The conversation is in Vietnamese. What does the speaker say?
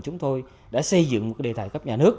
chúng tôi đã xây dựng một đề tài cấp nhà nước